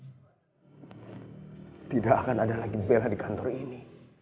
tidak akan ada lagi bela di kantor ini